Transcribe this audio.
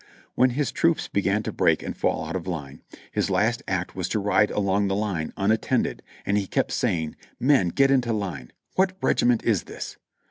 When his troops began to break and fall out of line, his last act was to ride along the line unattended, and he kept saying : "Men, get into line. What regiment is this?"